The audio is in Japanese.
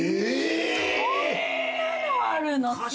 そんなのあるの？